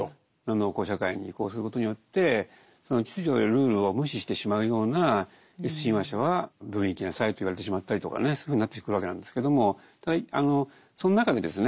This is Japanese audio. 農耕社会に移行することによってその秩序やルールを無視してしまうようなＳ親和者は病院行きなさいと言われてしまったりとかねそういうふうになってくるわけなんですけれどもその中でですね